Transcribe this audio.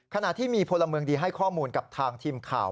ขณะที่มีพลเมืองดีให้ข้อมูลกับทางทีมข่าว